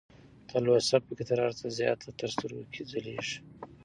تلوسه پکې تر هر څه زياته تر سترګو ځلېږي